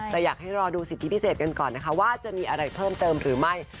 แต่อยากให้รอดูสิทธิพิเศษกันก่อนนะคะว่าจะมีอะไรเพิ่มเติมหรือไม่